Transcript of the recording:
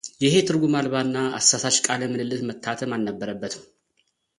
ይሄ ትርጉም አልባ እና አሳሳች ቃለ ምልልስ መታተም አልነበረበትም።